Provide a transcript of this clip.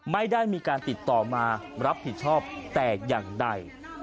ไม่ได้มีการติดต่อมารับผิดชอบแต่อย่างใด